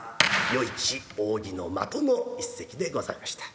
「与一扇の的」の一席でございました。